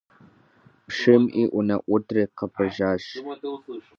Пщым и унэӀутри къыпежьащ.